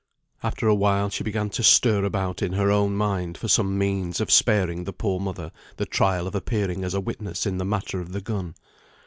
After a while she began to stir about in her own mind for some means of sparing the poor mother the trial of appearing as a witness in the matter of the gun.